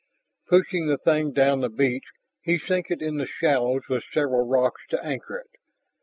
Pushing the thing down the beach, he sank it in the shallows with several rocks to anchor it.